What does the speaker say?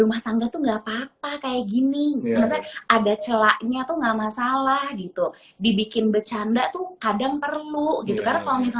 assalamualaikum wr wb